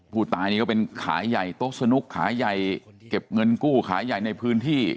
ผู้ตายนี่ก็เป็นขายใหญ่โต๊ะสนุกขายใหญ่เก็บเงินกู้ขายใหญ่ในพื้นที่